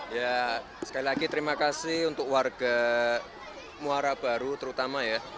ya sekali lagi terima kasih untuk warga muara baru terutama ya